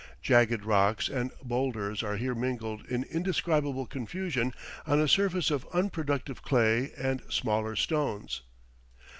Jagged rocks and bowlders are here mingled in indescribable confusion on a surface of unproductive clay and smaller stones.